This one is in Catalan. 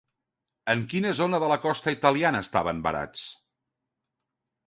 En quina zona de la costa italiana estaven varats?